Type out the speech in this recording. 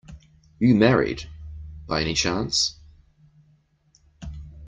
You married, by any chance?